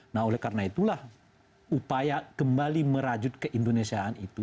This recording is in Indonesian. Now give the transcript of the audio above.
nah oleh karena itulah upaya kembali merajut keindonesiaan itu